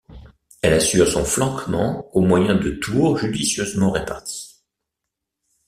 Elle assure son flanquement au moyen de tours judicieusement réparties.